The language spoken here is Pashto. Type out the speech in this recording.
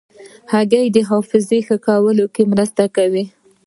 هګۍ د حافظې ښه کولو کې مرسته کوي.